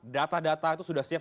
data data itu sudah siap